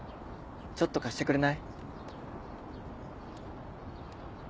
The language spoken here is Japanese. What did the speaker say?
ちょっと貸してくれない？